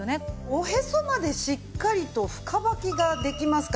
おへそまでしっかりと深ばきができますから。